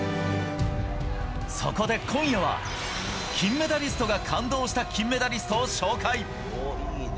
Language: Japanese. そこで今夜は金メダリストが感動した金メダリストを紹介。